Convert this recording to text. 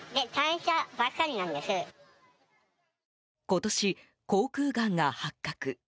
今年、口腔がんが発覚。